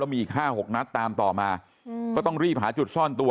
มีอีก๕๖นัดตามต่อมาก็ต้องรีบหาจุดซ่อนตัว